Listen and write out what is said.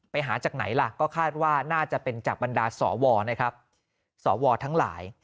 ไปหาจากไหนล่ะก็คาดว่าน่าจะเป็นจากบรรดาสวนะครับสวทั้งหลาย